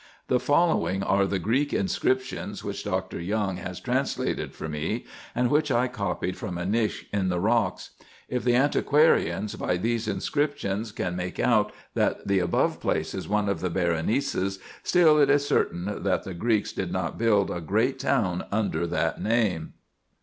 The following are the Greek inscriptions, which Dr. Young has translated for me, and which I copied from a niche in the rocks. If the antiquarians, by these inscriptions, can make out that the above place is one of the Berenices, still it is certain that the Greeks did not build a great town under that name.